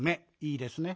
いいですね？